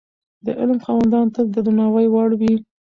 د علم خاوندان تل د درناوي وړ وي.